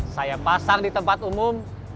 saya pasang di tempat umum